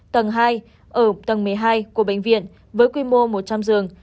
tầng hai ở tầng một mươi hai của bệnh viện với quy mô một trăm linh giường